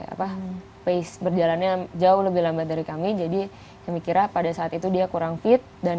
apa pace berjalannya jauh lebih lambat dari kami jadi kami kira pada saat itu dia kurang fit dan